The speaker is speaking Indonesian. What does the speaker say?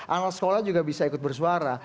anak sekolah juga bisa ikut bersuara